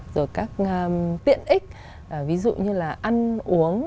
rồi các tiện ích ví dụ như là ăn uống